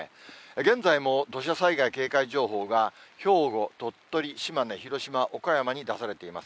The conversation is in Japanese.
現在も土砂災害警戒情報が、兵庫、鳥取、島根、広島、岡山に出されています。